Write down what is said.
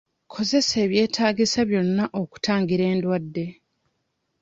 Kozesa ebyetaagisa byonna okutangira endwadde.